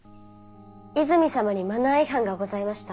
泉様にマナー違反がございました。